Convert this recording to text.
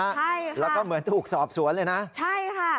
ใช่แล้วก็เหมือนถูกสอบสวนเลยนะใช่ค่ะ